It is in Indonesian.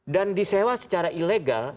dan disewa secara ilegal